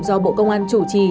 do bộ công an chủ trì